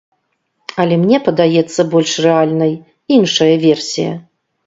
Але мне падаецца больш рэальнай іншая версія.